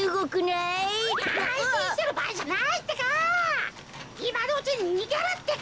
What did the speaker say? いまのうちににげるってか！